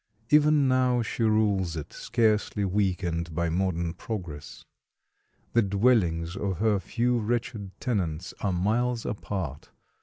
Even now she rules it, scarcely weakened by modern progress. The dwellings of her few wretched tenants are miles apart.